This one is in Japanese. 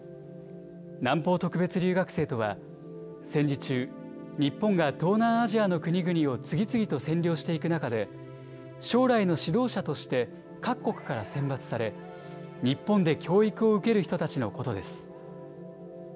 南方特別留学生とは、戦時中、日本が東南アジアの国々を次々と占領していく中で、将来の指導者として各国から選抜され、日本で教育を受ける人たちのことです。